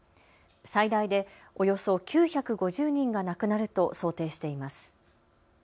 最大でおよそ９５０人が亡くなると想定しています。